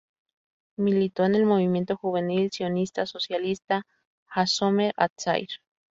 Militó en el Movimiento Juvenil Sionista Socialista Hashomer Hatzair.